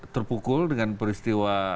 terpukul dengan peristiwa